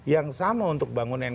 yang sama untuk bangun nkri